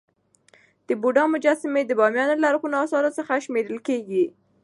د بودا مجسمي د بامیان له لرغونو اثارو څخه شمېرل کيږي.